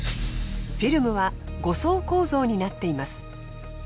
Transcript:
フィルムは５層構造になっています。